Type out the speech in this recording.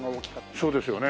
そうですよね。